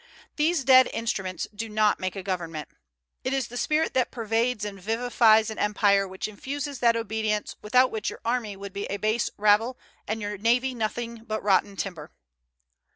These dead instruments do not make a government. It is the spirit that pervades and vivifies an empire which infuses that obedience without which your army would be a base rabble and your navy nothing but rotten timber."